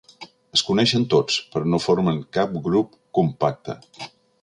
Es coneixen tots, però no formen cap grup compacte.